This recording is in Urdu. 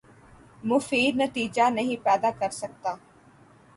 مفید نتیجہ نہیں پیدا کر سکتا